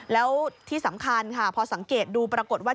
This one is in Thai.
แล้วที่สำคัญค่ะพอสังเกตดูปรากฏว่า